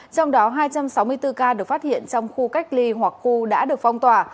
trong đó hai trăm sáu mươi bốn ca được phát hiện trong khu cách ly hoặc khu đã được phong tỏa